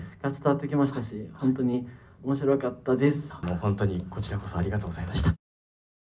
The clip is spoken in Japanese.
本当にこちらこそありがとうございました。